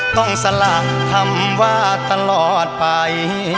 ต้องสละคำว่าตลอดไป